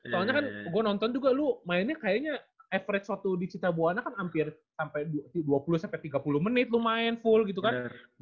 soalnya kan gue nonton juga lu mainnya kayaknya average suatu di cita buwana kan hampir sampai dua puluh sampai tiga puluh menit lu main full gitu kan